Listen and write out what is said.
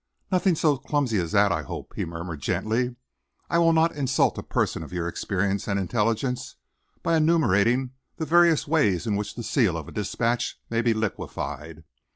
"Nothing so clumsy as that, I hope," he murmured gently. "I will not insult a person of your experience and intelligence by enumerating the various ways in which the seal of a dispatch may be liquefied.